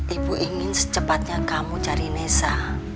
ibu ingin secepatnya kamu cari nesa